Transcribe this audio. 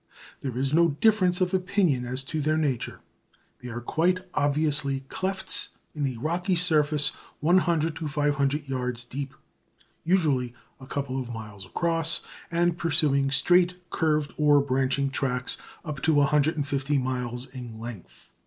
There is no difference of opinion as to their nature. They are quite obviously clefts in a rocky surface, 100 to 500 yards deep, usually a couple of miles across, and pursuing straight, curved, or branching tracks up to 150 miles in length.